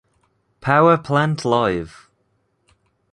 Power Plant Live!